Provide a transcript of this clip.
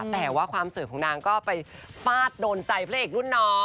แต่ว่าความสวยของนางก็ไปฟาดโดนใจพระเอกรุ่นน้อง